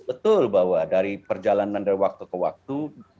betul bahwa dari perjalanan dari waktu ke waktu